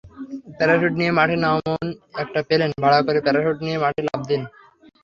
Parachute নিয়ে মাঠে নামুনএকটা plane ভাড়া করে প্যারাস্যুট নিয়ে মাঠে লাফ দিন।